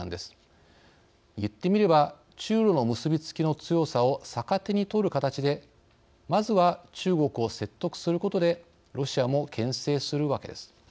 言ってみれば中ロの結びつきの強さを逆手にとる形でまずは中国を説得することでロシアもけん制するわけです。